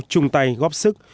trung tay góp sức